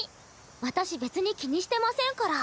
私別に気にしてませんから。